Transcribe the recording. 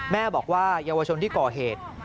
แม่บอกว่าเยาวชนที่ก่อเหตุ